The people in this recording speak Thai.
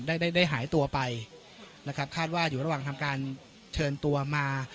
ได้ได้หายตัวไปนะครับคาดว่าอยู่ระหว่างทำการเชิญตัวมา